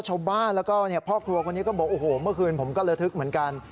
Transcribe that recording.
ชาวบ้านแล้วก็พ่อครัวคนนี้ก็บอกโอ้โหเมื่อคืนผมก็ระทึกเหมือนกัน